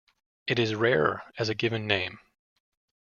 It is rare as a given name.